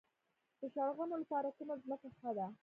د شلغمو لپاره کومه ځمکه ښه ده؟